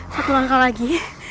satu langkah lagi